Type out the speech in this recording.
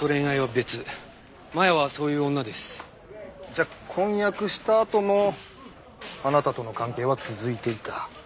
じゃあ婚約したあともあなたとの関係は続いていた？